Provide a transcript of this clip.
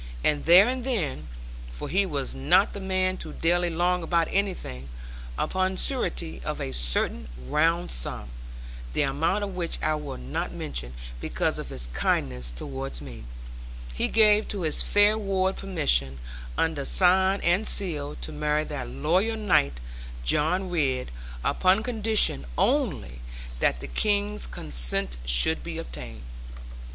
And there and then (for he was not the man to daily long about anything) upon surety of a certain round sum the amount of which I will not mention, because of his kindness towards me he gave to his fair ward permission, under sign and seal, to marry that loyal knight, John Ridd; upon condition only that the King's consent should be obtained.